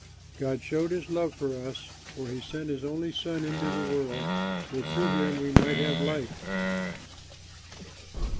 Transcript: God showed his love for us, for he sent his only Son into the world that through him we might have life.